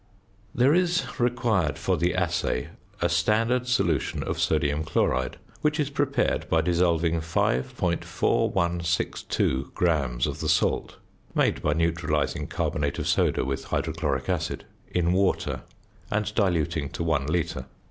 There is required for the assay a standard solution of sodium chloride, which is prepared by dissolving 5.4162 grams of the salt (made by neutralizing carbonate of soda with hydrochloric acid) in water and diluting to one litre.